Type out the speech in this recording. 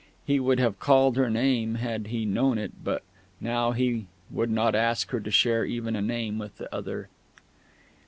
He would have called her name had he known it but now he would not ask her to share even a name with the other....